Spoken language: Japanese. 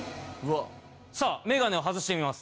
さあメガネを外してみます。